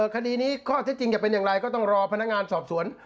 คดีนี้ข้อเท็จจริงจะเป็นอย่างไรก็ต้องรอพนักงานสอบสวน